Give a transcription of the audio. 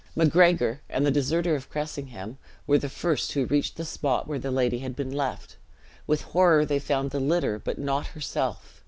Macgregor, and the deserter of Cressingham, were the first who reached the spot where the lady had been left; with horror they found the litter, but not herself.